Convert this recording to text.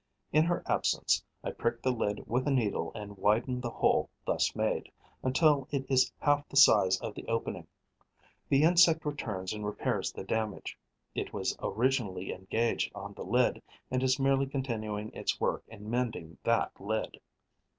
In her absence, I prick the lid with a needle and widen the hole thus made, until it is half the size of the opening. The insect returns and repairs the damage. It was originally engaged on the lid and is merely continuing its work in mending that lid.